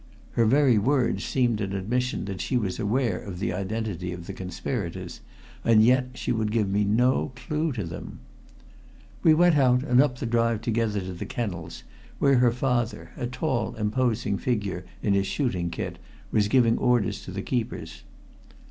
Her very words seemed an admission that she was aware of the identity of the conspirators, and yet she would give me no clue to them. We went out and up the drive together to the kennels, where her father, a tall, imposing figure in his shooting kit, was giving orders to the keepers.